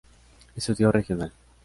Estudio regional.